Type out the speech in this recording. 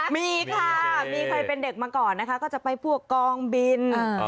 มีครับมีใครเป็นเด็กมาก่อนก็จะไปพวกบิน